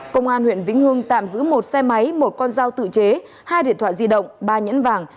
công an huyện vĩnh hương tạm giữ một xe máy một con dao tự chế hai điện thoại di động ba nhẫn vàng